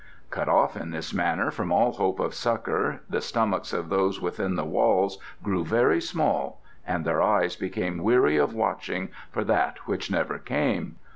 Cut off in this manner from all hope of succour, the stomachs of those within the walls grew very small, and their eyes became weary of watching for that which never came.